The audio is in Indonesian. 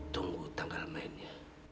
tunggu tanggal mainnya